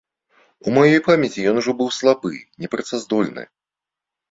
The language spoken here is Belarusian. У маёй памяці ён ужо быў слабы, непрацаздольны.